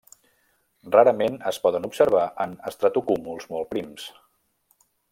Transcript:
Rarament es poden observar en estratocúmuls molt prims.